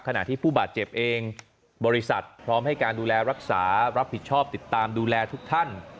ขณะที่ผู้บาดเจ็บเองบริษัทพร้อมให้การดูแลรักษารับผิดชอบติดตามดูแลทุกท่าน